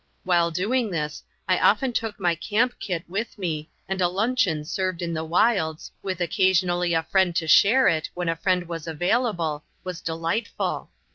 While doing this, I often took my camp kit with me, and a luncheon served in the wilds, with occasionally a friend to share it when a friend was available was delightful.